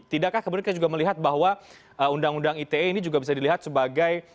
tidakkah kemudian kita juga melihat bahwa undang undang ite ini juga bisa dilihat sebagai